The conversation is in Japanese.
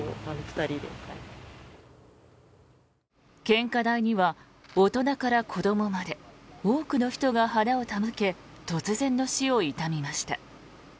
献花台には大人から子どもまで多くの人が花を手向け突然の死を悼みました。